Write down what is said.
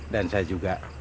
dan saya juga